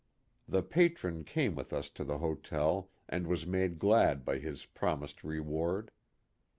The Patron came with us to the hotel and was made glad by his promised reward.